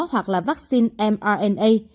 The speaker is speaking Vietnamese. hoặc là vaccine mrna